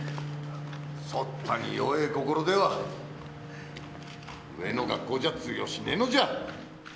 そったに弱え心では上の学校じゃ通用しねえのじゃ。